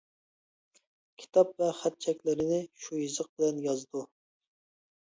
كىتاب ۋە خەت-چەكلىرىنى شۇ يېزىق بىلەن يازىدۇ.